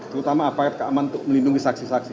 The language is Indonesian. terutama aparat keamanan untuk melindungi saksi saksi